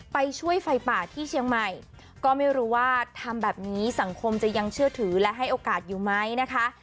ไปช่วยไฟป่าที่เชียงใหม่ก็ไม่รู้ว่าทำแบบนี้สังคมจะยังเชื่อถือและให้โอกาสอยู่ไหมนะคะ